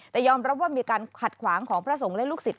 แต่ยอมรับว่ามีการขัดขวางของพระสงฆ์และลูกศิษย